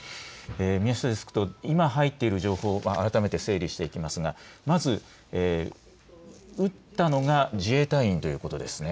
宮下デスク、今入っている情報、改めて整理していきますが撃ったのが自衛隊員ということですね。